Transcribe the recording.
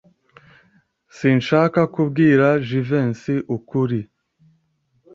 Sinshaka kubwira Jivency ukuri.